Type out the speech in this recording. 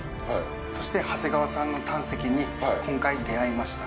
そして長谷川さんの胆石に今回出合いました。